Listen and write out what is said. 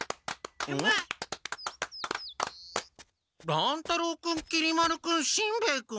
乱太郎君きり丸君しんべヱ君！？